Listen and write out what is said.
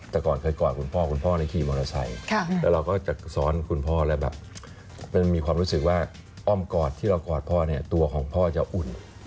แต่ก่อนเคยกอดคุณพ่อคุณพ่อขี่มอเตอร์ไซค์แล้วเราก็จะสอนคุณพ่อแล้วแบบมันมีความรู้สึกว่าอ้อมกอดที่เรากอดพ่อเนี่ยตัวของพ่อจะอุ่น